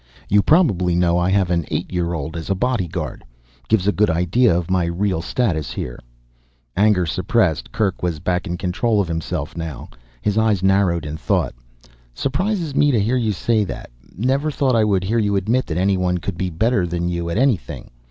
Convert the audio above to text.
You probably know I have an eight year old as a bodyguard. Gives a good idea of my real status here." Anger suppressed, Kerk was back in control of himself now. His eyes narrowed in thought. "Surprises me to hear you say that. Never thought I would hear you admit that anyone could be better than you at anything.